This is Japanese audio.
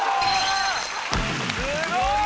すごい！